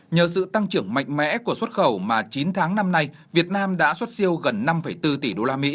nhờ sự tăng trưởng mạnh mẽ của xuất khẩu mà chín tháng năm nay việt nam đã xuất siêu gần năm bốn tỷ usd